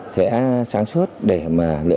sẽ sáng suốt để mà